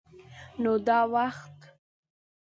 _نو دا وخت؟